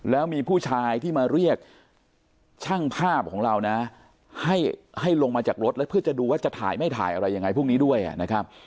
แล้วมีผู้ชายที่มาเรียกช่างภาพของเรานะให้ลงมาจากรถแล้วเพื่อจะดูว่าจะถ่ายไม่ถ่ายอะไรยังไงพวกนี้ด้วยนะครับ